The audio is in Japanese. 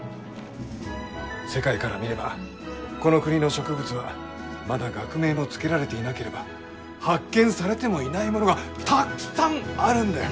世界から見ればこの国の植物はまだ学名も付けられていなければ発見されてもいないものがたっくさんあるんだよ！